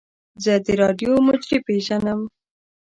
زه د راډیو مجری پیژنم.